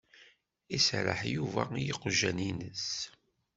Iserreḥ Yuba i yiqjan-ines.